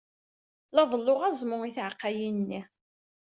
La ḍelluɣ aẓmu i tɛeqqayin-nni.